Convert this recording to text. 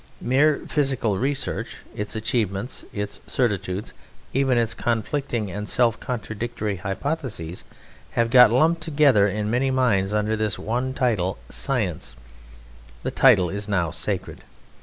Mere physical research, its achievements, its certitudes, even its conflicting and self contradictory hypotheses, having got lumped together in many minds under this one title Science, the title is now sacred.